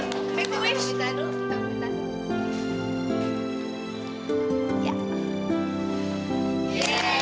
selamat panjang umur dan bahagia